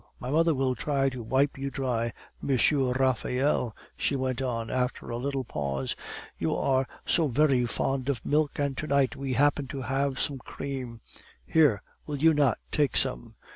My mother will try to wipe you dry. Monsieur Raphael,' she went on, after a little pause, 'you are so very fond of milk, and to night we happen to have some cream. Here, will you not take some?